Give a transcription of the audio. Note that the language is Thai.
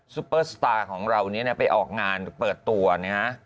ปเปอร์สตาร์ของเราเนี่ยไปออกงานเปิดตัวนะฮะ